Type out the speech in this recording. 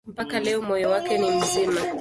Mpaka leo moyo wake ni mzima.